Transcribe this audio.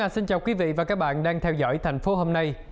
xin chào quý vị và các bạn đang theo dõi thành phố hôm nay